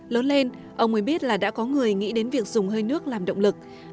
lớn lên ông mới biết là đã có người nghĩ đến việc dùng hơi nước làm động lực